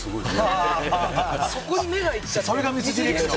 そこに目が行っちゃう。